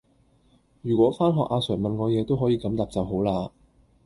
如果返學阿 sir 問我野都可以咁答就好勒!